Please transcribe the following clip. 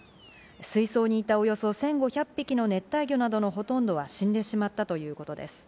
水槽にいた、およそ１５００匹の熱帯魚などのほとんどは死んでしまったということです。